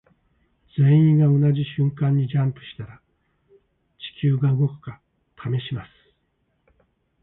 全員が同じ瞬間にジャンプしたら地球が動くか試します。